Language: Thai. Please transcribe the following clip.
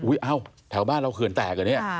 อุ้ยอ้าวแถวบ้านเราเขื่อนแตกอ่ะเนี่ย